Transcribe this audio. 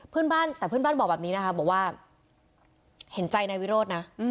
เพื่อนบ้านแต่เพื่อนบ้านบอกแบบนี้นะคะบอกว่าเห็นใจนายวิโรธนะ